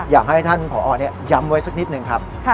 อยากให้ท่านผอย้ำไว้สักนิดหนึ่งครับ